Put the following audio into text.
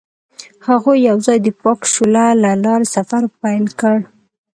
هغوی یوځای د پاک شعله له لارې سفر پیل کړ.